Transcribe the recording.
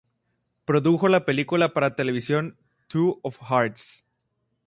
Produjo la película para televisión "Two of Hearts".